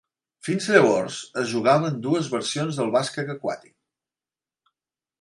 Fins llavors, es jugaven dues versions del bàsquet aquàtic.